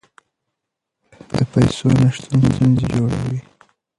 د پیسو نشتون ستونزې جوړوي.